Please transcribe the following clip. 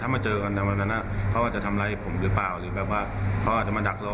มาเจอกันในวันนั้นเขาอาจจะทำร้ายผมหรือเปล่าหรือแบบว่าเขาอาจจะมาดักรอ